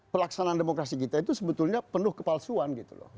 pelaksanaan demokrasi kita itu sebetulnya penuh kepalsuan